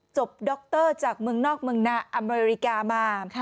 จบด๊อกเตอร์จากเมืองนอกเมืองนาอเมริกามา